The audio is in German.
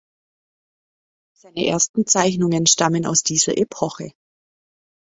Seine ersten Zeichnungen stammen aus dieser Epoche.